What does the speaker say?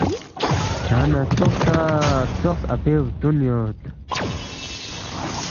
”کھیانگ نہ ژوخسا ژوخ اپی بُدون یود